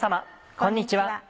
こんにちは。